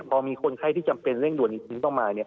พอมีคนไข้ที่จำเป็นเร่งด่วนต้องมา